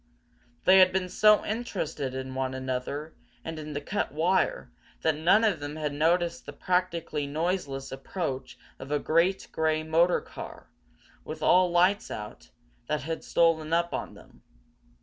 They had been so interested in one another and in the cut wire that none of them had noticed the practically noiseless approach of a great grey motor car, with all lights out, that had stolen up on them.